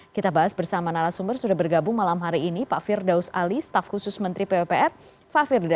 kita bahas bersama nara sumber sudah bergabung malam hari ini pak firdaus ali staff khusus menteri pwpr